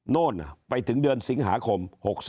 โน่นไปถึงเดือนสิงหาคม๖๒